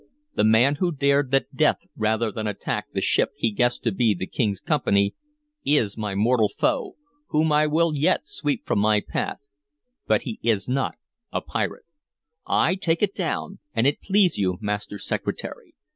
The man who dared that death rather than attack the ship he guessed to be the Company's is my mortal foe, whom I will yet sweep from my path, but he is not a pirate. Ay, take it down, an it please you, Master Secretary!